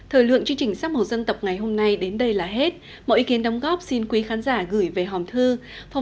hãy nhớ like và subscribe cho kênh lalaschool để không bỏ lỡ những video hấp dẫn